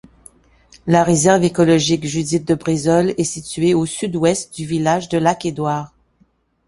La réserve écologique Judith-De Brésoles est située à au sud-ouest du village de Lac-Édouard.